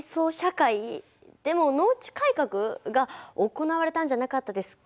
でも農地改革が行われたんじゃなかったですっけ？